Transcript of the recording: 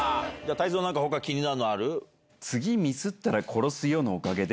泰造他気になるのある？